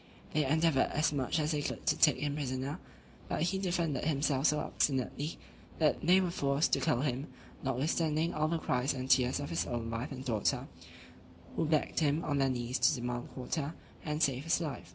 They endeavoured as much as they could to take him prisoner, but he defended himself so obstinately, that they were forced to kill him, notwithstanding all the cries and tears of his own wife and daughter, who begged him, on their knees, to demand quarter, and save his life.